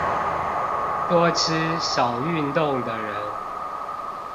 多吃少運動的人